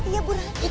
iya bu ranti